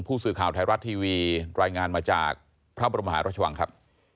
ผู้สื่อข่าวไทยรัฐทีวีรายงานมาจากพระบรมหารัชวังครับ